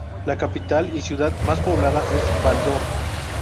La capital, y ciudad más poblada, es Val-d'Or.